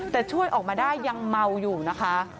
แต่ช่วยออกมาได้ยังเมาอยู่นะคะ